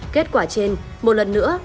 kết quả trên một lần nữa